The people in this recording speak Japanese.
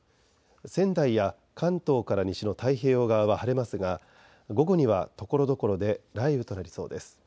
仙台や関東から西の太平洋側は晴れますが午後にはところどころで雷雨となりそうです。